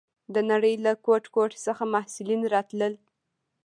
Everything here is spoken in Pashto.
د نړۍ له ګوټ ګوټ څخه محصلین راتلل.